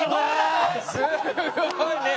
すごいね。